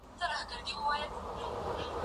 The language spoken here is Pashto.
ايا ته قلم کاروې،